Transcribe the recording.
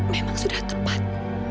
memang sudah tepat